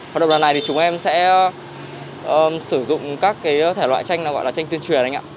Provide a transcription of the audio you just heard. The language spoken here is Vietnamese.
hoạt động lần này thì chúng em sẽ sử dụng các thể loại tranh gọi là tranh tuyên truyền anh ạ